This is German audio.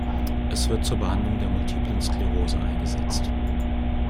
Es wird zur Behandlung der Multiplen Sklerose eingesetzt.